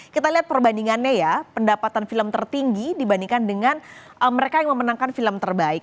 kita lihat perbandingannya ya pendapatan film tertinggi dibandingkan dengan mereka yang memenangkan film terbaik